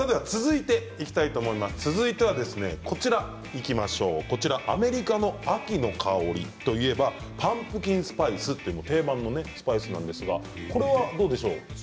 続いては、アメリカの秋の香りといえばパンプキンスパイスというのが定番のスパイスなんですがどうでしょう。